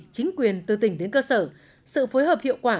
chính quyền từ tỉnh đến cơ sở sự phối hợp hiệu quả